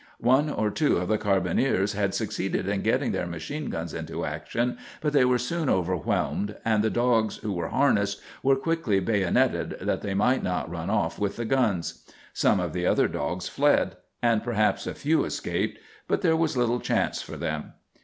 One or two of the carbineers had succeeded in getting their machine guns into action, but they were soon overwhelmed and the dogs who were harnessed were quickly bayonetted that they might not run off with the guns. Some of the other dogs fled and perhaps a few escaped, but there was little chance for them.